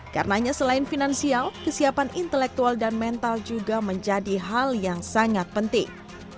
karenanya selain finansial kesiapan intelektual dan mental juga menjadi hal yang sangat penting